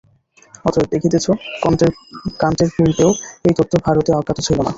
অতএব দেখিতেছ, কাণ্টের পূর্বেও এই তত্ত্ব ভারতে অজ্ঞাত ছিল না।